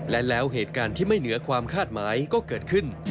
และแล้วเหตุการณ์ที่ไม่เหนือความคาดหมายก็เกิดขึ้น